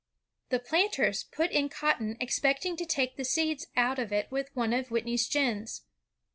The planters put in cotton, expecting to take the seeds out of it with one of Whitney's gins.